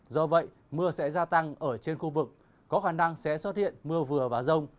do vậy mưa sẽ gia tăng ở trên khu vực có khả năng sẽ xuất hiện mưa vừa và rông